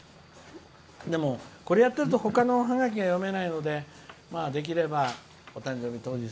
これやってるとほかのおハガキが読めないのでできればお誕生日